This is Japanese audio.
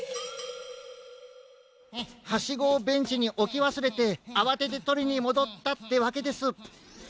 ハシゴをベンチにおきわすれてあわててとりにもどったってわけです。